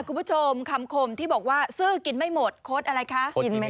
คุณผู้ชมคำคมที่บอกว่าซื่อกินไม่หมดคดอะไรคะ